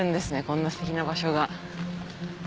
こんなステキな場所が。